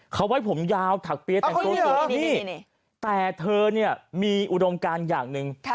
เขาไว้ผมยาวถักเปี๊ยนแต่เธอเนี่ยมีอุดมการอย่างหนึ่ง